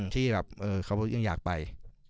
ที่แบบเขายังอยากไป